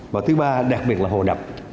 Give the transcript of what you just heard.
và thứ ba đặc biệt là hồ đập